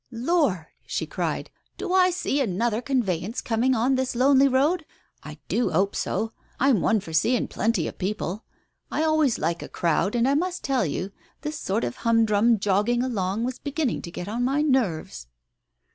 "Lord!" she cried, "do I see another conveyance coming on this lonely road? I do 'ope so. I'm one for seeing plenty of people. I always like a crowd, and I must tell you, this sort of humdrum jogging along was beginning to get on my nerves."